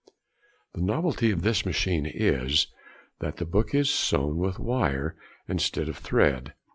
] The novelty of this machine is, that the book is sewn with wire instead of thread.